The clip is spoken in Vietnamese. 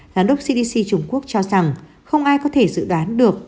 giám đốc cdc trung quốc cho rằng không ai có thể dự đoán được